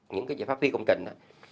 những cái giải pháp phi công trình